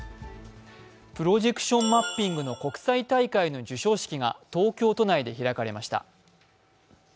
プロジエクションマッピングの国際大会の授賞式が東京都内で開かれました。